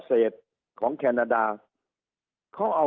สุดท้ายก็ต้านไม่อยู่